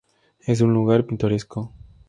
Es un lugar pintoresco.